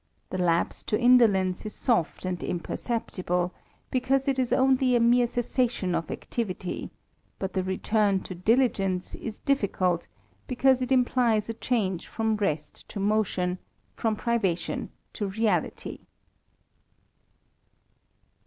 The lapse to indolence is soft and imperceptible, because it is only a mere cessation of activity ; but the return to diligence P« '^ THE RAMBLER, 167 fficult, because it implies a change from rest to motion, I privation to reality.